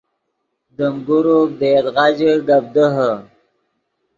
دیم گروپ دے یدغا ژے گپ دیہے